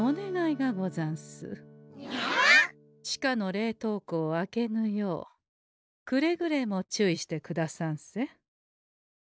地下の冷凍庫を開けぬようくれぐれも注意してくださんせ。